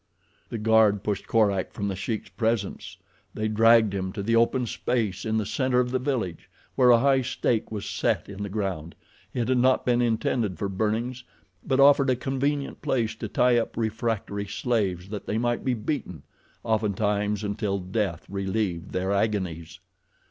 The guard pushed Korak from The Sheik's presence. They dragged him to the open space in the center of the village, where a high stake was set in the ground. It had not been intended for burnings, but offered a convenient place to tie up refractory slaves that they might be beaten—ofttimes until death relieved their agonies.